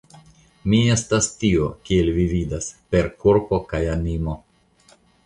Mi estas tio, kiel vi vidas, per korpo kaj animo.